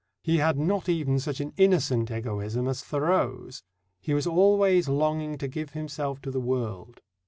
He had not even such an innocent egoism as Thoreau's. He was always longing to give himself to the world.